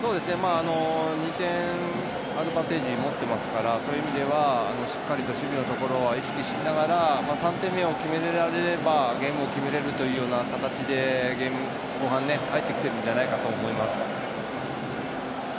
２点、アドバンテージ持ってますからそういう意味ではしっかりと守備のところは意識しながら３点目を決められればゲームを決めれるというような形でゲーム、後半入ってきてるんじゃないかとは思います。